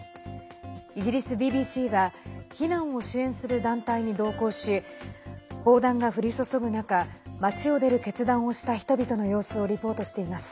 イギリスＢＢＣは避難を支援する団体に同行し砲弾が降り注ぐ中町を出る決断をした人々の様子をリポートしています。